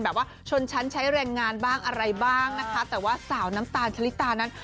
แบบว่าชนชั้นใช้แรงงานบ้างอะไรบ้างนะคะแต่ว่าสาวน้ำตาลชะลิตานั้น